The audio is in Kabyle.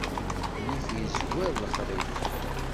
Nnif izwar lexṛif.